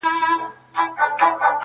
د وطن هر تن ته مي کور، کالي، ډوډۍ غواړمه.